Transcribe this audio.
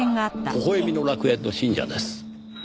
微笑みの楽園の信者です。